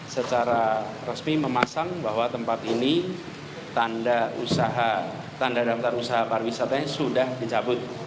secara resmi memasang bahwa tempat ini tanda daftar usaha pariwisatanya sudah dicabut